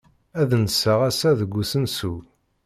Ad nseɣ ass-a deg usensu.